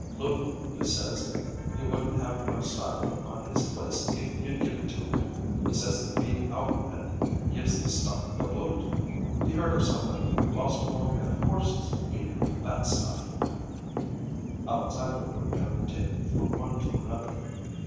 "Lou, he says he wouldn't have no silo on his place if you'd give it to him. He says the feed outen it gives the stock the bloat. He heard of somebody lost four head of horses, feedin' 'em that stuff." Alexandra looked down the table from one to another.